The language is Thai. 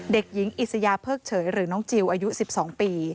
เด็กหญิงอิสยาเพิกเฉยหรือน้องจิลอายุ๑๒ปี